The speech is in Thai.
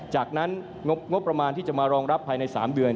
จากนั้นงบประมาณที่จะมารองรับภายใน๓เดือน